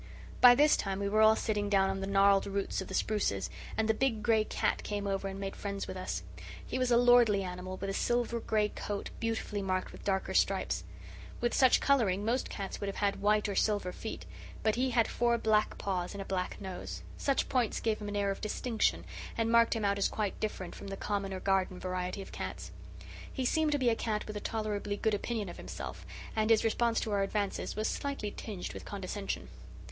By this time we were all sitting down on the gnarled roots of the spruces, and the big gray cat came over and made friends with us. He was a lordly animal, with a silver gray coat beautifully marked with darker stripes. With such colouring most cats would have had white or silver feet; but he had four black paws and a black nose. Such points gave him an air of distinction, and marked him out as quite different from the common or garden variety of cats. He seemed to be a cat with a tolerably good opinion of himself, and his response to our advances was slightly tinged with condescension.